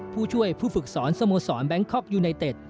ผู้ช่วยผู้ฝึกสอนสโมสรแบงคอกยูไนเต็ด